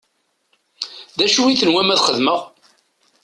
D acu i tenwam ad t-xedmeɣ?